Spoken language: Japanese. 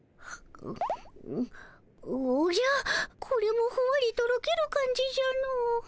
おじゃこれもふわりとろける感じじゃの。